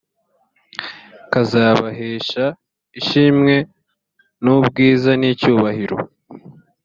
kuzabahesha ishimwe n ubwiza n icyubahiro